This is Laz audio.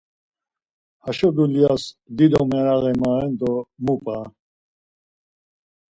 Haşo dulyas dido meraği maven do mu p̌a.